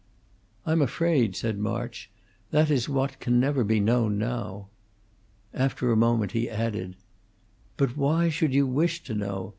"I'm afraid," said March, "that is what can never be known now." After a moment he added: "But why should you wish to know?